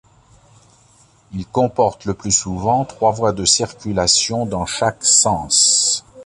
Il comporte le plus souvent trois voies de circulation dans chaque sens.